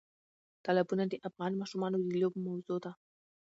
تالابونه د افغان ماشومانو د لوبو موضوع ده.